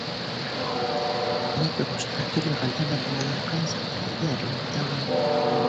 Беҙҙең тормошта төрлө хәлдәр ҙә булғылай: ҡайһы саҡта һеҙҙе әрләп тә алам.